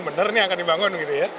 benar ini akan dibangun